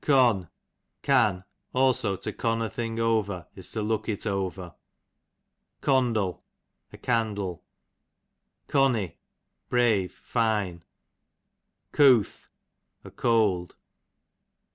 Con, can ; also to con a thing over, is to look it over. Condle, a candle. Conny, brave, fine. Cooth, a cold.